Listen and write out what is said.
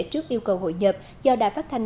trước yêu cầu hội nhập do đài phát thanh